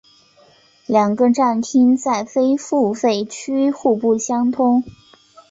两个站厅在非付费区互不相通。